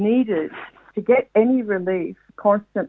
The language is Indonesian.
untuk mendapatkan penyelamat secara konstantin